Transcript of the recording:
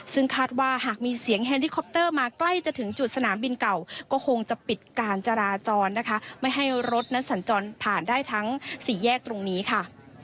ซึ่งคาดว่าหากมีเสียงแฮลิคอปเตอร์มาใกล้จะถึงจุดสนามบินเก่าก็คงจะปิดการจราจรนะคะไม่ให้รถนั้นสัญจรผ่านได้ทั้งสี่แยกตรงนี้ค่ะ